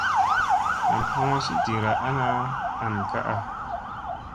Nam hoŋozi dira ana an kaʼa.